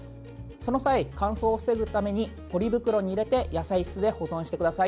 その際、乾燥を防ぐためにポリ袋に入れて野菜室で保存してください。